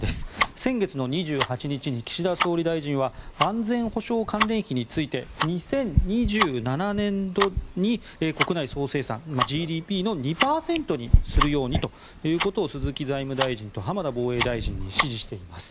先月の２８日に岸田総理大臣は安全保障関連費について２０２７年度に国内総生産・ＧＤＰの２％にするようにということを鈴木財務大臣と浜田防衛大臣に指示しています。